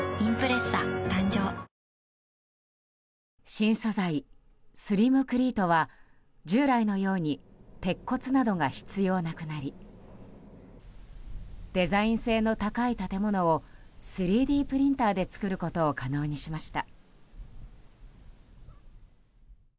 新素材、スリムクリートは従来のように鉄骨などが必要なくなりデザイン性の高い建物を３Ｄプリンターで作ることを可能にしました。